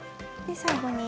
最後に。